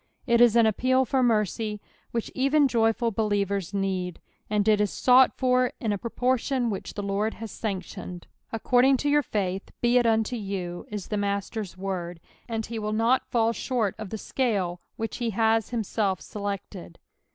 It is an appeal for *' niCTiey," which eveo jojiul believers need ; and it is Bougbt for in a pro poKi on which the Lord has aanctioaed. "According to your fuith be it unto yoa," is tlie Master's word, and he wilt not full short of tlie scale which he has himself selected.